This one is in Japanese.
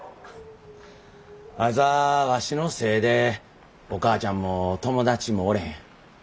あいつはわしのせいでお母ちゃんも友達もおれへん。